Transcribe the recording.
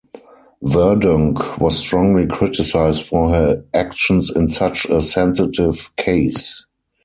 Verdonk was strongly criticised for her actions in such a sensitive case.